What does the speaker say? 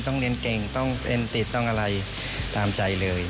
ต้องเรียนเก่งต้องเอ็นติดต้องอะไรตามใจเลย